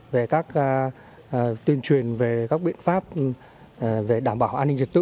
về các tuyên truyền về các biện pháp về đảm bảo an ninh trật tự